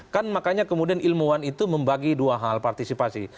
kan makanya kemudian ilmuwan itu membagi dua hal partisipasi